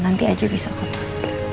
nanti aja bisa pak